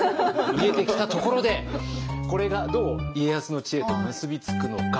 見えてきたところでこれがどう家康の知恵と結び付くのか。